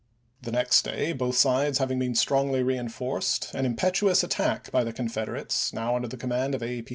The next day, both sides having been strongly reenforced, an impetuous attack by the Confeder ates, now under the command of A.